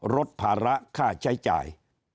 ลดภาระค่าใช้จ่าย